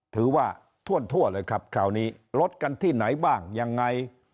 ถือว่าทั่วเลยครับคราวนี้ลดกันที่ไหนบ้างยังไง